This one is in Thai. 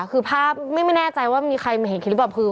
คือภาพไม่แน่ใจว่ามีใครเห็นคลิปแบบคือ